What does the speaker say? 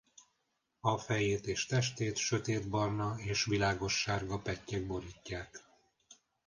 A fejét és testét sötétbarna és világossárga pettyek borítják.